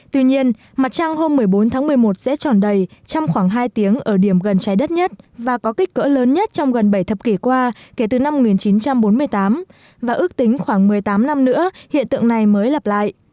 tuy nhiên mặt trăng hôm một mươi bốn tháng một mươi một sẽ tròn đầy trong khoảng hai tiếng ở điểm gần trái đất nhất và có kích cỡ lớn nhất trong gần bảy thập kỷ qua kể từ năm một nghìn chín trăm bốn mươi tám và ước tính khoảng một mươi tám năm nữa hiện tượng này mới lặp lại